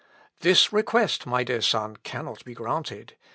_ "This request, my dear son, cannot be granted.